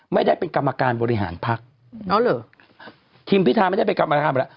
ไม่ได้เป็นกรรมการบริหารภักดิ์อ๋อเหรอทีมพิทาไม่ได้เป็นกรรมการบริหารภักดิ์